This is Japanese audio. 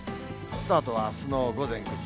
スタートはあすの午前９時。